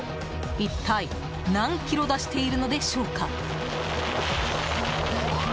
一体、何キロ出しているのでしょうか。